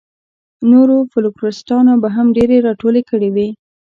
نورو فوکلوریسټانو به هم ډېرې راټولې کړې وي.